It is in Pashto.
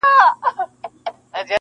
را یادېږي دي خواږه خواږه قولونه -